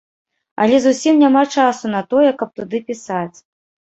Але зусім няма часу на тое, каб туды пісаць!